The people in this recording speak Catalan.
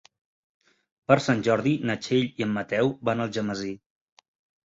Per Sant Jordi na Txell i en Mateu van a Algemesí.